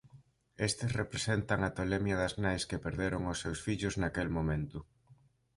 Estes representan a tolemia das nais que perderon aos seus fillos naquel momento.